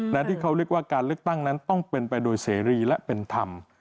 ที่เขาเรียกว่าการเลือกตั้งนั้นต้องเป็นไปโดยเสรีและเป็นธรรม